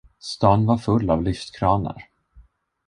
Stan var full av lyftkranar.